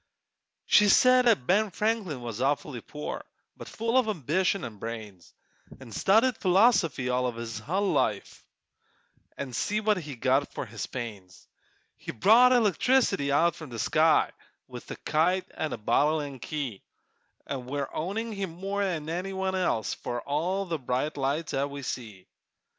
She said 'at Ben Franklin was awfully poor, But full of ambition an' brains; An' studied philosophy all his hull life, An' see what he got for his pains! He brought electricity out of the sky, With a kite an' a bottle an' key, An' we're owing him more'n any one else For all the bright lights 'at we see.